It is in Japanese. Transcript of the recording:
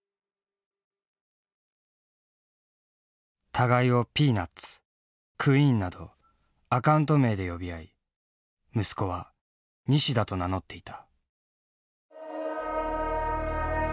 「互いを『ピーナッツ』『クイーン』などアカウント名で呼び合い息子は『西田』と名乗っていた」。